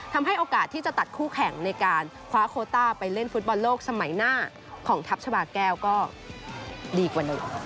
ทำให้โอกาสที่จะตัดคู่แข่งในการคว้าโคต้าไปเล่นฟุตบอลโลกสมัยหน้าของทัพชาบาแก้วก็ดีกว่าหนึ่ง